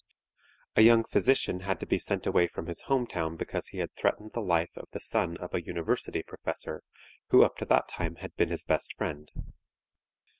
A young physician had to be sent away from his home town because he had threatened the life of the son of a university professor, who up to that time had been his best friend.